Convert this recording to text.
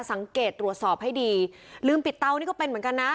สังเกตตรวจสอบให้ดีลืมปิดเตานี่ก็เป็นเหมือนกันนะ